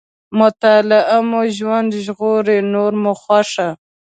مطالعه مو ژوند ژغوري، نور مو خوښه.